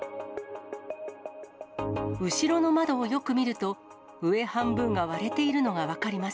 後ろの窓をよく見ると、上半分が割れているのが分かります。